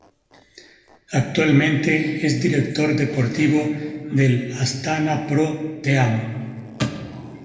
Actualmente es director deportivo del Astana Pro Team.